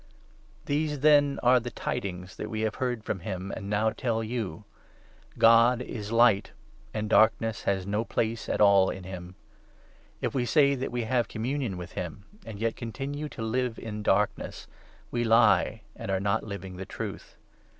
These, then, are the Tidings that we have 5 L'VU? j^*he heard from him and now tell you —' God is Light, and Darkness has no place at all in him.' If we say that we have communion with him, and yet 6 continue to live in the Darkness, we lie, and are not living the Truth.